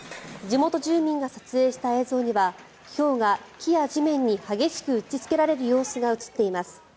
地元住民が撮影した映像にはひょうが木や地面に激しく打ちつけられる様子が映っています。